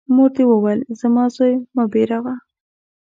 مور دي وویل : زما زوی مه بېروه!